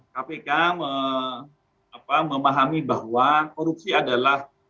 kpk memahami bahwa korupsi adalah